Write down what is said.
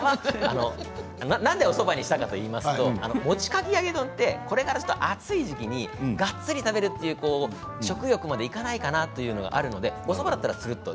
なんで、おそばにしたかといいますと餅かき揚げ丼は暑い時期にがっつり食べるという食欲までいかないかなということがあるので、そばだったらつるっと。